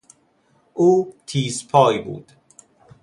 او تیز پای بود.